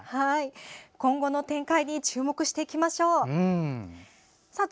今後の展開に注目していきましょう。